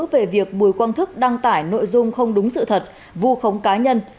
về việc bùi quang thức đăng tải nội dung không đúng sự thật vu khống cá nhân